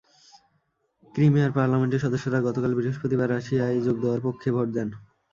ক্রিমিয়ার পার্লামেন্টের সদস্যরা গতকাল বৃহস্পতিবার রাশিয়ায় যোগ দেওয়ার পক্ষে ভোট দেন।